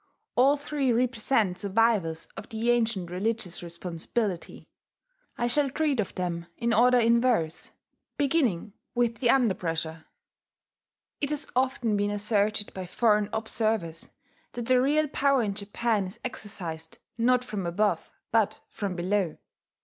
All three represent survivals of the ancient religious responsibility. I shall treat of them in order inverse, beginning with the under pressure. It has often been asserted by foreign observers that the real power in Japan is exercised not from above, but from below.